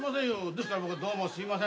ですから僕は「どうもすいません」